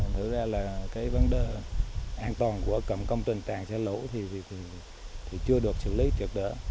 thứ ra là cái vấn đề an toàn của cầm cầm trình tràn xả lũ thì chưa được xử lý trượt đỡ